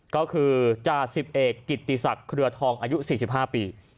ก็คือจา๑๑กิตตีศักดิ์เครือทองอายุ๔๕ปี